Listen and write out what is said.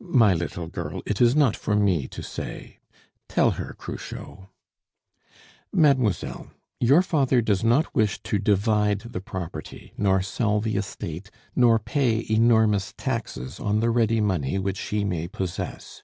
"My little girl, it is not for me to say. Tell her, Cruchot." "Mademoiselle, your father does not wish to divide the property, nor sell the estate, nor pay enormous taxes on the ready money which he may possess.